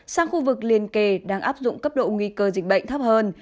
sang khu vực liên kề đang áp dụng cấp độ nguy cơ dịch bệnh thấp hơn